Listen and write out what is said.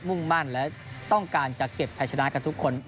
มุ่งมั่นและต้องการจะเก็บไทยชนะกันทุกคน